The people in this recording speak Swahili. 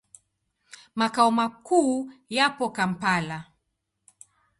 Makao makuu yapo Kampala.